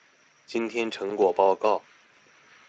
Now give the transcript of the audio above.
今天成果報告